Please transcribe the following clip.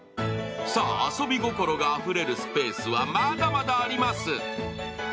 遊び心があふれるスペースはまだまだあります。